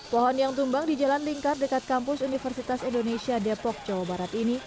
pohon yang tumbang di jalan lingkar dekat kampus universitas indonesia depok jawa barat ini